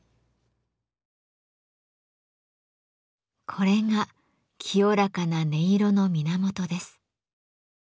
これが清らかな音色の源です。